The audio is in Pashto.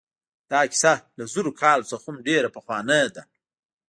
دا کیسه له زرو کالو څخه هم ډېره پخوانۍ ده.